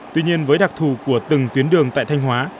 tuy nhiên với đặc thù của từng tuyến đường tại thanh hóa